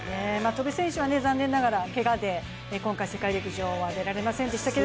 戸邉選手は残念ながら、けがで世界陸上は出られませんでしたが。